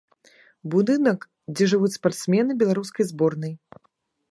Будынак, дзе жывуць спартсмены беларускай зборнай.